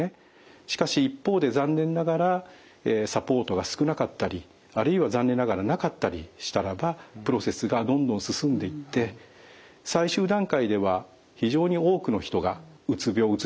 しかし一方で残念ながらサポートが少なかったりあるいは残念ながらなかったりしたらばプロセスがどんどん進んでいって最終段階では非常に多くの人がうつ病うつ状態です。